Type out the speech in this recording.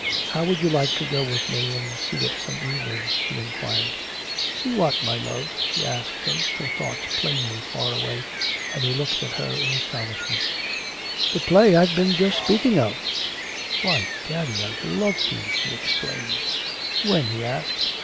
"How would you like to go with me and see it some evening?" he inquired. "See what, my love?" she asked him, her thoughts plainly far away; and he looked at her in astonishment: "That play I've just been speaking of!" "Why, daddy, I'd love to!" she exclaimed. "When?" he asked.